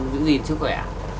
giữ gìn sức khỏe